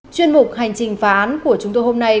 chuyên mục hành trình phá án của chúng tôi hôm nay